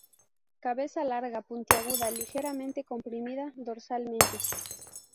Cabeza larga, puntiaguda, ligeramente comprimida dorsalmente.